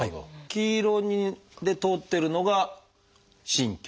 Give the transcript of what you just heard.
黄色で通ってるのが神経？